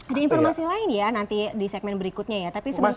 ada informasi lain ya nanti di segmen berikutnya ya tapi sebentar lagi